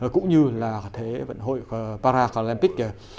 cũng như là thế vận hội paralympic